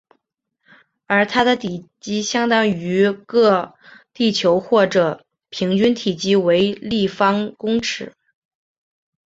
而它的体积相当于个地球或平均体积为立方公尺。